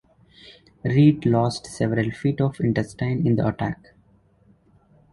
Read lost several feet of intestine in the attack.